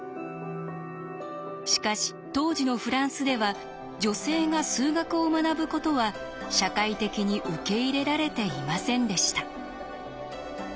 しかし当時のフランスでは女性が数学を学ぶことは社会的に受け入れられていませんでした。